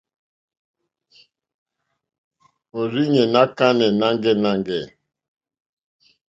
Òrzìɲɛ́ ná kánɛ̀ nâŋɡɛ́nâŋɡɛ̂.